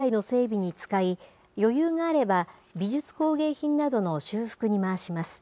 寄付はまず境内の整備に使い、余裕があれば、美術工芸品などの修復に回します。